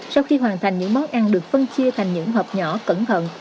sau khi hoàn thành những món ăn được phân chia thành những hợp nhỏ cẩn thận